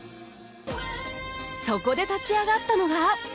そこで立ち上がったのが